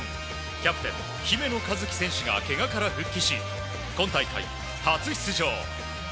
キャプテン、姫野和樹選手がけがから復帰し今大会、初出場。